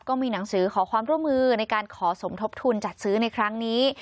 มีหนังสือขอความร่วมมือในการขอสมทบทุนจัดซื้อในครั้งนี้